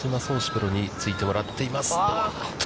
プロについてもらっています。